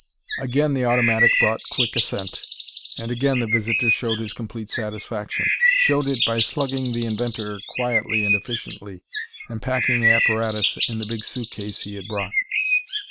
Again the automatic brought quick assent, and again the visitor showed his complete satisfaction. Showed it by slugging the inventor quietly and efficiently and packing the apparatus in the big suitcase he had brought.